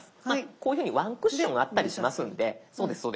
こういうふうにワンクッションあったりしますんで。